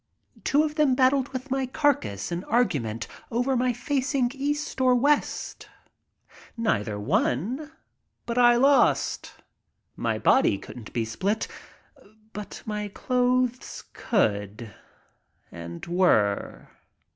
Two of them battled with my carcass in argument over my facing east or west. Neither won. But I lost. My body couldn't be split. But my clothes could — and were.